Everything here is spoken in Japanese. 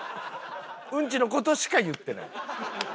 うんちの事しか言ってない。